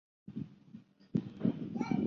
刘文翔之子。